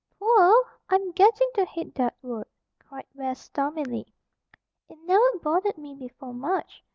"Poor! I'm getting to hate that word," cried Bess stormily. "It never bothered me before, much.